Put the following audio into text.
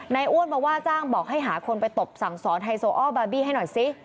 อ้วนมาว่าจ้างบอกให้หาคนไปตบสั่งสอนไฮโซอ้อบาร์บี้ให้หน่อยซิ